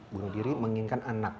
bunuh diri menginginkan anak